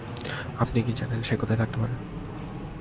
আপনি কি জানেন সে কোথায় থাকতে পারে?